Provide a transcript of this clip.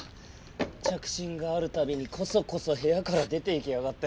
着信があるたびにこそこそ部屋から出て行きやがって。